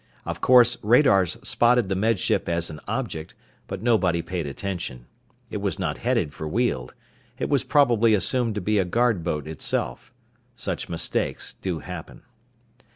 Of course radars spotted the Med Ship as an object, but nobody paid attention. It was not headed for Weald. It was probably assumed to be a guard boat itself. Such mistakes do happen.